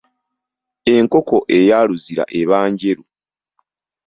Enkoko eya luzira eba njeru.